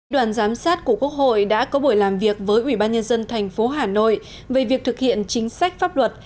đoàn giám sát của quốc hội đã có buổi làm việc với ubnd tp hà nội về việc thực hiện chính sách pháp luật